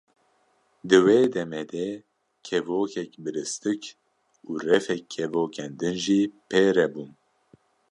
Di wê demê de kevokek biristik û refek kevokên din jî pê re bûn.